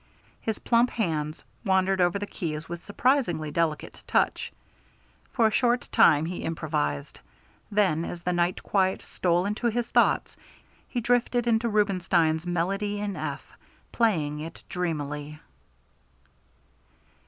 His plump hands wandered over the keys with surprisingly delicate touch. For a short time he improvised. Then as the night quiet stole into his thoughts, he drifted into Rubinstein's Melody in F, playing it dreamily.